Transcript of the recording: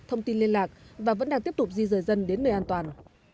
thông tin liên lạc và vẫn đang tiếp tục di rời dân đến nơi an toàn